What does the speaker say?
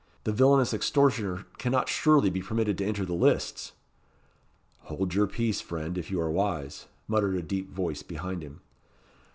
The villainous extortioner cannot surely be permitted to enter the lists." "Hold your peace, friend, if you are wise," muttered a deep voice behind him.